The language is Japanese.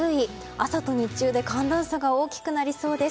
朝と日中で寒暖差が大きくなりそうです。